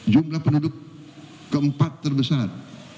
jumlah penduduk keempat terbesar